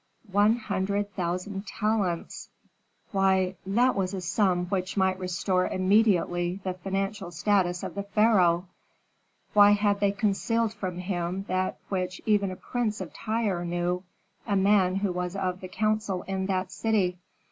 One hundred thousand talents why, that was a sum which might restore immediately the financial status of the pharaoh! Why had they concealed from him that which even a prince of Tyre knew, a man who was of the council in that city?